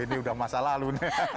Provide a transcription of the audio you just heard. ini udah masa lalu nih